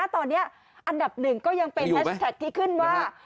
ตอนนี้อันดับหนึ่งก็ยังเป็นแฮชแท็กที่ขึ้นว่า